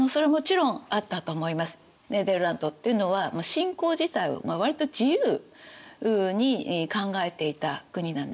ネーデルラントっていうのは信仰自体は割と自由に考えていた国なんですね。